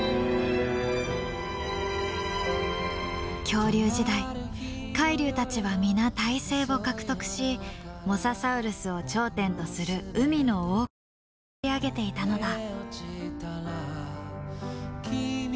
恐竜時代海竜たちは皆胎生を獲得しモササウルスを頂点とする海の王国をつくり上げていたのだ。